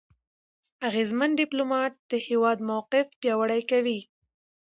اغېزمن ډيپلوماټ د هېواد موقف پیاوړی کوي.